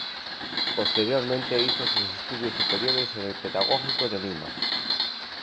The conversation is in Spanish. Posteriormente hizo sus estudios superiores en el Pedagógico de Lima.